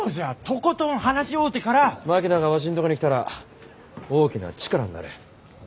槙野がわしのとこに来たら大きな力になる。